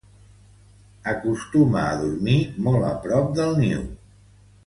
Acostuma a dormir molt a prop del niu.